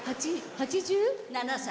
８７歳。